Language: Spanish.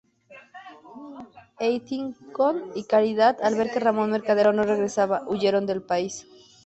Eitingon y Caridad, al ver que Ramón Mercader no regresaba, huyeron del país.